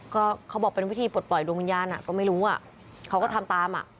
ก็เขาบอกเป็นวิธีปลดปล่อยดวงวิญญาณก็ไม่รู้อ่ะเขาก็ทำตามอ่ะ